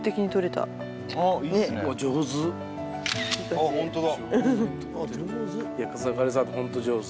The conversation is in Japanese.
あっ本当だ。